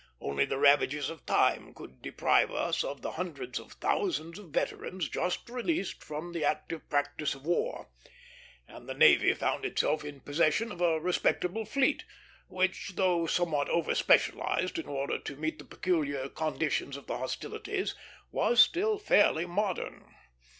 Only the ravages of time could deprive us of the hundreds of thousands of veterans just released from the active practice of war; and the navy found itself in possession of a respectable fleet, which, though somewhat over specialized in order to meet the peculiar conditions of the hostilities, was still fairly modern.